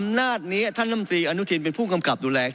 อำนาจนี้ท่านลำตีอนุทินเป็นผู้กำกับดูแล